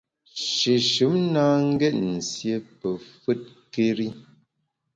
Shéshùm na ngét nsié pe fùtkéri.